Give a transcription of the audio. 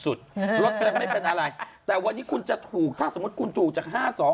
รถจะไม่เป็นอะไรแต่วันนี้คุณจะถูกถ้าสมมุติคุณถูกจากห้าสอง